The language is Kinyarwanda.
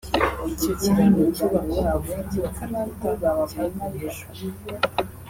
Icyo kiraro cyubakwaga mu mujyi wa Calcutta cyaguye ejo